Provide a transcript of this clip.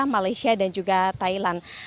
malaysia dan juga thailand